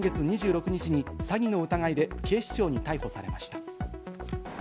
今月２６日に詐欺の疑いで警視庁に逮捕されました。